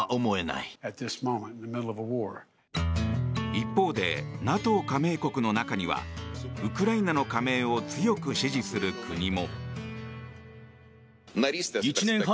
一方でＮＡＴＯ加盟国の中にはウクライナの加盟を強く支持する国も。